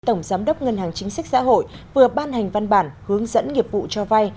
tổng giám đốc ngân hàng chính sách xã hội vừa ban hành văn bản hướng dẫn nghiệp vụ cho vay